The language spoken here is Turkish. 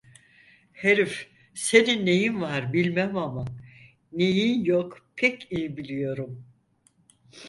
Herif senin neyin var bilmem ama, neyin yok pek iyi biliyorum.